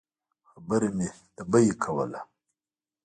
خبره مې د بیې کوله.